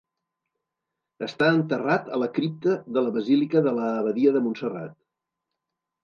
Està enterrat a la cripta de la basílica de l'abadia de Montserrat.